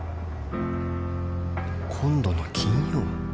今度の金曜？